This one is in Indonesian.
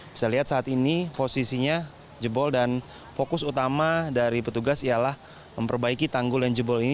bisa lihat saat ini posisinya jebol dan fokus utama dari petugas ialah memperbaiki tanggul yang jebol ini